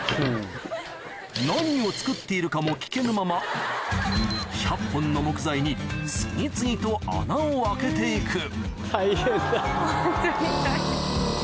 何を作っているかも聞けぬまま１００本の木材に次々と穴を開けて行く大変だ。